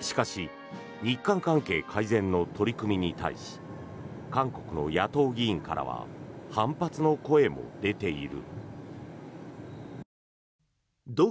しかし日韓関係改善の取り組みに対し韓国の野党議員からは反発の声も出ている。